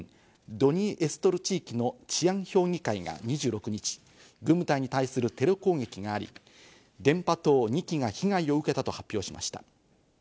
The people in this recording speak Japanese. ドニエストル地域の治安評議会が２６日、軍部隊に対するテロ攻撃があり、電波塔２基が被害を受けたと発表しました。